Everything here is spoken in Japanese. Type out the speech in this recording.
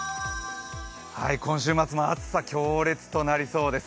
今週末も暑さ、強烈となりそうです。